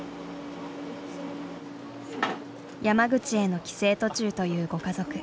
山口への帰省途中というご家族。